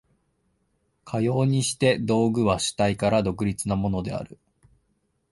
かようにして道具は主体から独立なものである。